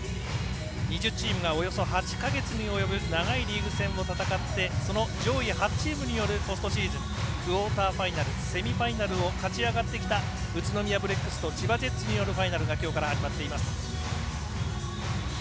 １０チームが長いリーグ戦を戦ってその上位８チームによるポストシーズンクオーターファイナルセミファイナルを勝ち上がってきた宇都宮ブレックスと千葉ジェッツのファイナルがきょうから始まっています。